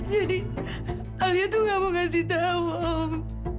jadi alia tuh gak mau ngasih tahu om